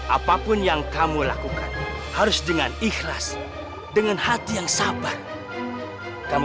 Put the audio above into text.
apapun yang kamu lakukan harus dengan ikhlas dengan hati yang sabar kamu